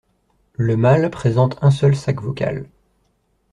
Le mâle présente un seul sac vocal.